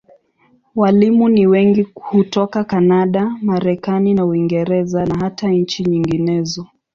Walimu ni wengi hutoka Kanada, Marekani na Uingereza, na hata nchi nyinginezo.